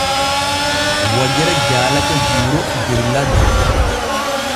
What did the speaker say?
Wojere jaalake Juuro der ladde.